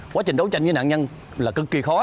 quá trình đấu tranh với nạn nhân là cực kỳ khó